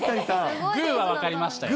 グーは分かりましたよ。